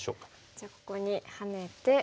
じゃあここにハネて。